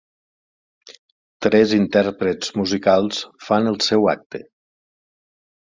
Tres intèrprets musicals fan el seu acte.